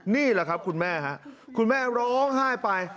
นี่แหละครับคุณแม่คุณแม่ร้องไห้ไป